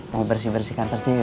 mau bersih bersih kantor juga